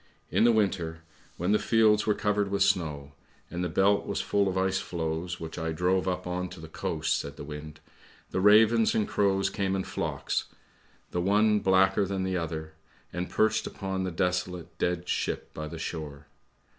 In the winter, when the fields were THE WIND'S TALE 179 covered with snow, and the Belt was full of ice floes which I drove up on to the coast," said the wind, " the ravens and crows came in flocks, the one blacker than the other, and perched upon the desolate, dead ship by the shore.